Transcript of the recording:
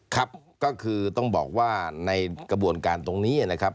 ครับก็คือต้องบอกว่าในกระบวนการตรงนี้นะครับ